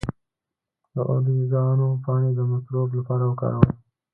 د اوریګانو پاڼې د مکروب لپاره وکاروئ